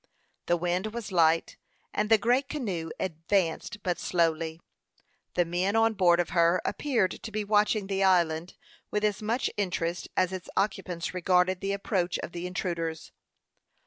The wind was light, and the great canoe advanced but slowly. The men on board of her appeared to be watching the island with as much interest as its occupants regarded the approach of the intruders.